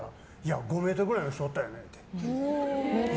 ５ｍぐらいの人おったよねって。